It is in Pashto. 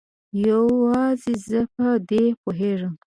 یوازې زه په دې پوهیږم